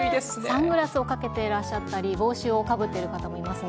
サングラスをかけていらっしゃったり、帽子をかぶってる方もいますね。